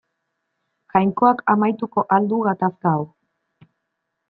Jainkoak amaituko al du gatazka hau.